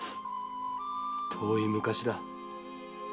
遠い昔だ。